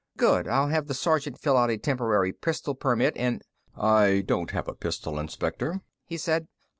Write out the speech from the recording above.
"Good. I'll have the sergeant fill out a temporary pistol permit, and " "I don't have a pistol, Inspector," he said.